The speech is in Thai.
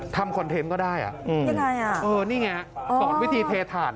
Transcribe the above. ทำคอนเทนต์ก็ได้อ่ะยังไงอ่ะเออนี่ไงตอนวิธีเทฐานอ๋ออ๋อ